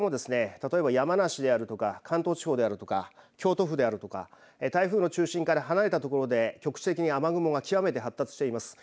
例えば山梨であるとか関東地方であるとか京都府であるとか台風の中心から離れたところで局地的に雨雲が極めて発達しています。